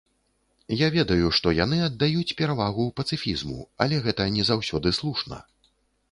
Я ведаю, што яны аддаюць перавагу пацыфізму, але гэта не заўсёды слушна.